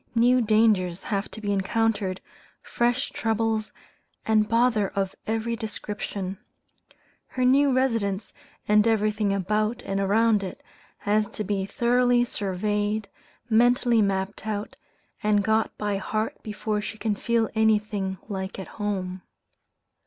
New dangers have to be encountered, fresh troubles, and bother of every description. Her new residence, and everything about and around it, has to be thoroughly surveyed, mentally mapped out, and got by heart before she can feel anything like at home.